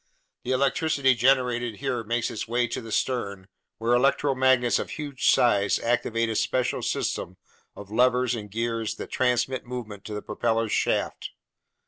The electricity generated here makes its way to the stern, where electromagnets of huge size activate a special system of levers and gears that transmit movement to the propeller's shaft.